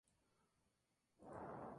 Generalmente en sol menor y a veces en la.